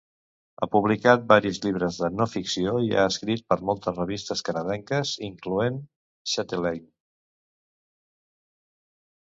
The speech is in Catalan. Ha publicat varis llibres de no-ficció i ha escrit per moltes revistes canadenques, incloent "Chatelaine".